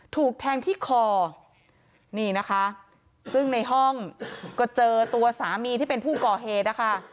ถูกแทงที่คอนี่นะคะซึ่งในห้องก็เจอตัวสามีที่เป็นผู้ก่อเหตุนะคะ